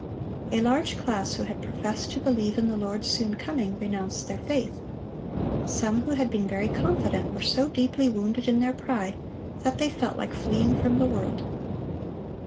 A large class who had professed to believe in the Lord's soon coming, renounced their faith. Some who had been very confident were so deeply wounded in their pride that they felt like fleeing from the world.